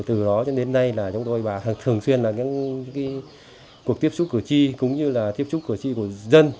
từ đó đến nay chúng tôi thường xuyên liên lạc với những cuộc tiếp xúc cử tri cũng như là tiếp xúc cử tri của dân